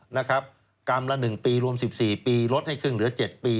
นะครับกรรมละ๑ปีรวม๑๔ปีลดให้ครึ่งเหลือ๗ปี